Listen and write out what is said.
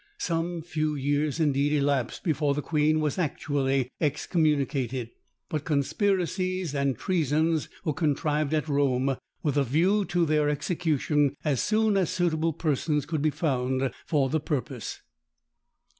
Some few years, indeed, elapsed before the queen was actually excommunicated; but conspiracies and treasons were contrived at Rome, with a view to their execution, as soon as suitable persons could be found for the purpose.